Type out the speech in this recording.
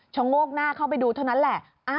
โงกหน้าเข้าไปดูเท่านั้นแหละ